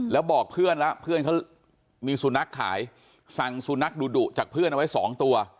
แล้วบอกเพื่อนแล้วเพื่อนเขามีสุนัขขายสั่งสุนัขดุดุจากเพื่อนเอาไว้สองตัว